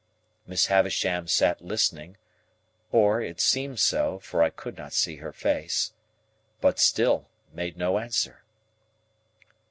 Miss Havisham sat listening (or it seemed so, for I could not see her face), but still made no answer.